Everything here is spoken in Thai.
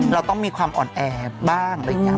เราต้องมีความอ่อนแอบบ้าง